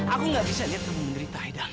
aku gak bisa lihat kamu mengerita aida